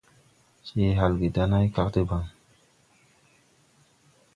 Je halge da nãy kag debaŋ.